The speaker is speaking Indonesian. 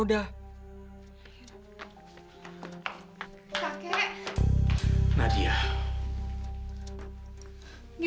buatku taruh kayak gini